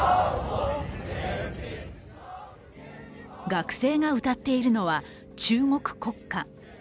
学生が歌っているのは中国国歌。